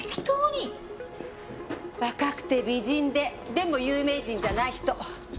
若くて美人ででも有名人じゃない人。